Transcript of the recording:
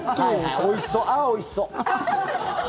おいしそう、ああ、おいしそう。